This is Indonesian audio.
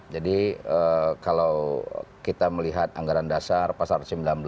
jadi kalau kita melihat anggaran dasar pasar sembilan belas